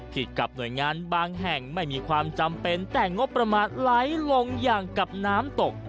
กับหน่วยงานบางแห่งไม่มีความจำเป็นแต่งบประมาณไหลลงอย่างกับน้ำตก